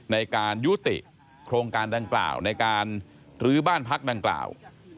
ในการยุติโครงการดังกล่าวในการลื้อบ้านพักดังกล่าว